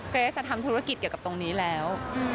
เกรสทำธุรกิจเกี่ยวกับตรงนี้แล้ว